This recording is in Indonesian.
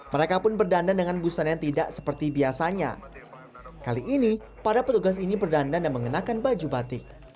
mereka pun berdandan dengan busana yang tidak seperti biasanya kali ini para petugas ini berdandan dan mengenakan baju batik